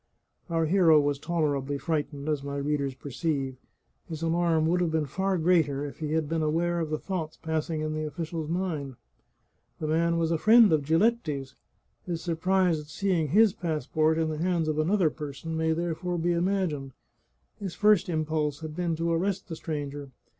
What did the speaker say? Our hero was tolerably frightened, as my readers per ceive. His alarm would have been far greater if he had been aware of the thoughts passing in the official's mind. The man was a friend of Giletti's; his surprise at seeing his passport in the hands of another person may therefore be imagined. His first impulse had been to arrest the stranger.